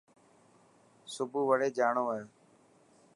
سڀو وڙي جاڻو هي.